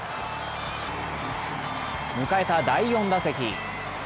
迎えた第４打席。